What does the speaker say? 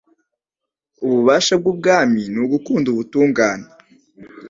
Ububasha bw’umwami ni ugukunda ubutungane